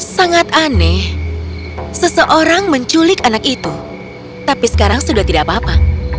sangat aneh seseorang menculik anak itu tapi sekarang sudah tidak apa apa